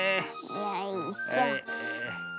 よいしょ。